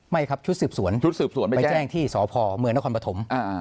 ไม่ครับชุดสืบสวนไปแจ่งที่สดภมหนักฐานภัคธม